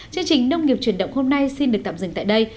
chương trình nông nghiệp truyền động hôm nay xin được tạm dừng tại đây